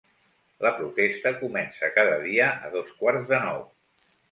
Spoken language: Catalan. La protesta comença cada dia a dos quarts de nou.